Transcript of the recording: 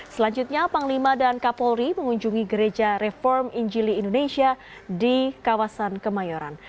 selanjutnya panglima dan kapolri mengunjungi gereja reform injili indonesia di kawasan kemayoran